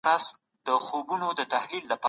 ډیپلوماټانو به د هر فرد خوندیتوب باوري کړی وي.